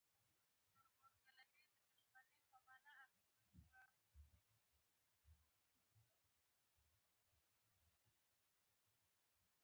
خرما د بدن وده چټکوي.